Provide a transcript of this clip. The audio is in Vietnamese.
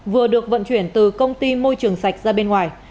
vừa được vận chuyển từ công ty môi trường sạch ra bên ngoài